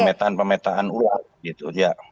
pemetaan pemetaan ulang gitu ya